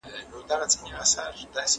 زه اجازه لرم چي موسيقي اورم!.